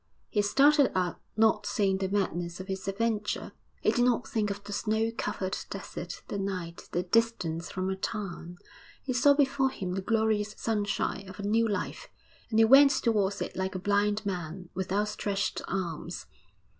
He started up, not seeing the madness of his adventure; he did not think of the snow covered desert, the night, the distance from a town. He saw before him the glorious sunshine of a new life, and he went towards it like a blind man, with outstretched arms.